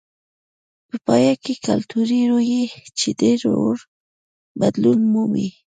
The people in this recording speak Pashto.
په پایله کې کلتوري رویې چې ډېر ورو بدلون مومي.